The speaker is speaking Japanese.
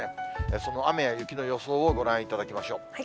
その雨や雪の予想をご覧いただきましょう。